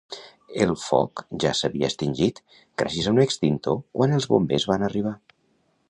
El foc ja s'havia extingit gràcies a un extintor quan els bombers van arribar.